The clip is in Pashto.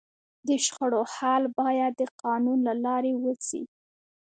د شخړو حل باید د قانون له لارې وسي.